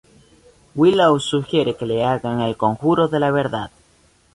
Willow sugiere que le hagan el conjuro de la verdad.